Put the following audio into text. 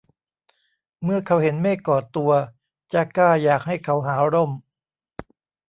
เมื่อเขาเห็นเมฆก่อตัว จาก้าอยากให้เขาหาร่ม